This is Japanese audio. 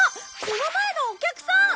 この前のお客さん！